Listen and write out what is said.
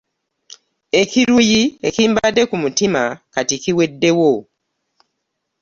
Ekiruyi ekimbadde ku mutima kati kiweddewo.